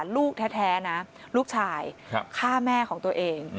ลูกแท้นะลูกชายฆ่าแม่ของตัวเอง